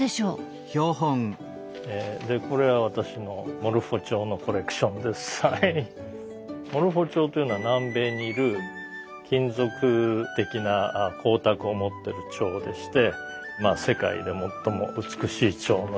モルフォチョウというのは南米にいる金属的な光沢を持ってるチョウでして世界で最も美しいチョウの一つですね。